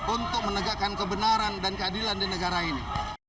untuk menegakkan kebenaran dan keadilan di negara ini